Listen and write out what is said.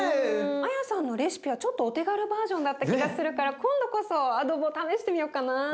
アヤさんのレシピはちょっとお手軽バージョンだった気がするから今度こそアドボ試してみよっかな。